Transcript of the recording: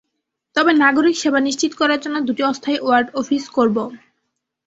তবে নাগরিক সেবা নিশ্চিত করার জন্য দুটি অস্থায়ী ওয়ার্ড অফিস করব।